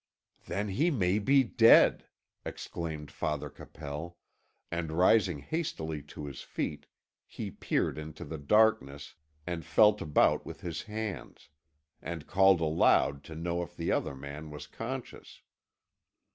"Then he may be dead!" exclaimed Father Capel, and rising hastily to his feet, he peered into the darkness, and felt about with his hands, and called aloud to know if the other man was conscious.